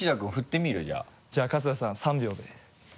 じゃあ春日さん３秒で。